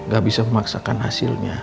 gak bisa memaksakan hasilnya